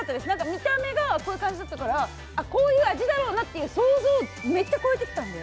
見た目がこういう感じだったからこういう味だろうなって想像をめっちゃ超えてきたんで。